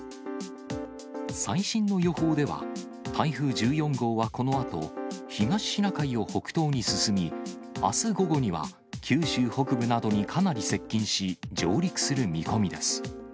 最新の予報では、台風１４号はこのあと、東シナ海を北東に進み、あす午後には九州北部などにかなり接近し、上陸する見込みです。